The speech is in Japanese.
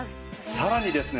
さらにですね